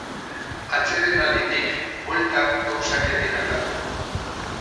Atsedenalditik bueltan gauzak ez dira aldatu.